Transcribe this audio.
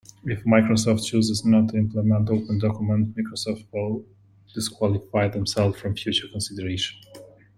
If Microsoft chooses not to implement OpenDocument, Microsoft will disqualify themselves from future consideration.